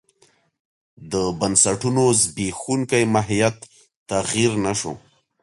د بنسټونو زبېښونکی ماهیت تغیر نه شو.